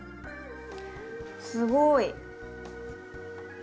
すごい。